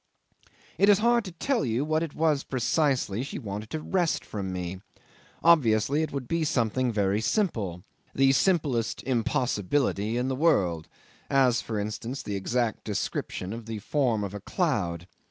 'It is hard to tell you what it was precisely she wanted to wrest from me. Obviously it would be something very simple the simplest impossibility in the world; as, for instance, the exact description of the form of a cloud.